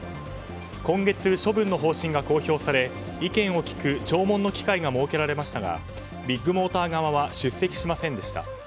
今月処分の方針が公表され意見を聞く聴聞の機会が設けられましたがビッグモーター側は出席しませんでした。